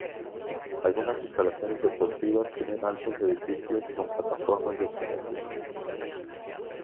Algunas instalaciones deportivas tienen altos edificios con plataformas de observación.